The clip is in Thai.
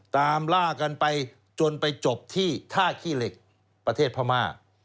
ตามล่ากันไปจนไปจบที่ท่าขี้เหล็กประเทศพม่า